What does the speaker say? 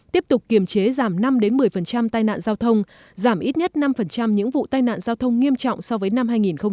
tiếp tục kiềm chế giảm năm một mươi tai nạn giao thông giảm ít nhất năm những vụ tai nạn giao thông nghiêm trọng so với năm hai nghìn một mươi tám